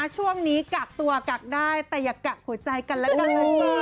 ช่วงนี้กักตัวกักได้แต่อย่ากักหัวใจกันแล้วกัน